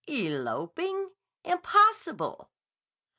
"Eloping! Impossible!"